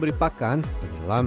bertahan antara tersebut